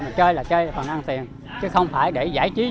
mà chơi là chơi còn ăn tiền chứ không phải để giải trí vui chơi